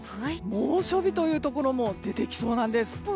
猛暑日というところも出てきそうなんです。